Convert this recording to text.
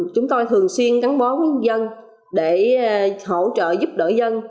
chúng tôi thường xuyên gắn bó với dân để hỗ trợ giúp đỡ dân